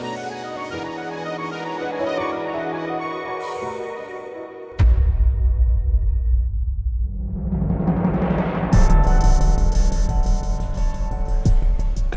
sampai jumpa lagi